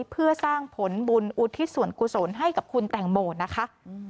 เพื่อสร้างผลบุญอุทิศส่วนกุศลให้กับคุณแตงโมนะคะ